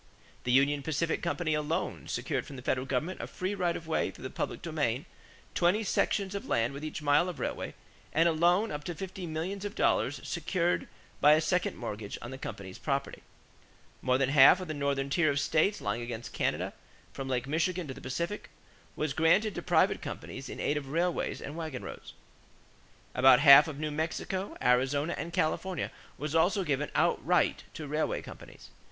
The Union Pacific Company alone secured from the federal government a free right of way through the public domain, twenty sections of land with each mile of railway, and a loan up to fifty millions of dollars secured by a second mortgage on the company's property. More than half of the northern tier of states lying against Canada from Lake Michigan to the Pacific was granted to private companies in aid of railways and wagon roads. About half of New Mexico, Arizona, and California was also given outright to railway companies.